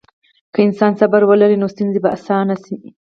که انسان صبر ولري، نو ستونزې به اسانه شي.